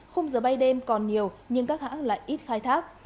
khung giờ bay đêm còn nhiều nhưng các hãng lại ít khai thác